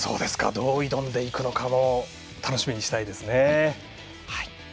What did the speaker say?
どう挑んでいくのか楽しみにしたいですね。